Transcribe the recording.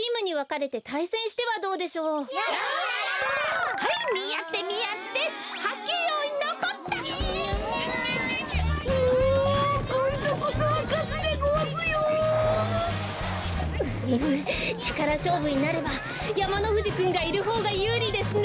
うおこんどこそはかつでごわすよ。フフフちからしょうぶになればやまのふじくんがいるほうがゆうりですね。